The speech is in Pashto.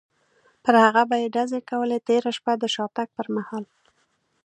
پر هغه به یې ډزې کولې، تېره شپه د شاتګ پر مهال.